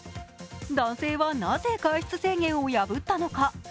男性はなぜ外出制限を破ったのか。